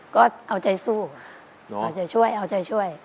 ก็เอาใจสู้เอาใจช่วยเอาใจช่วย